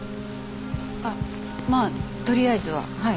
あっまあとりあえずははい。